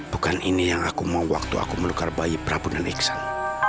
bukan ini yang aku mau waktu aku melukar bayi prabu dan iksan